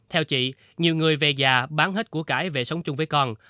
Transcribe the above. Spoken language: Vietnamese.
theo chị nhiều người về già bán hết của cải về sống chung với con